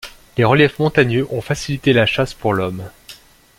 Les reliefs montagneux ont facilité la chasse pour l'Homme.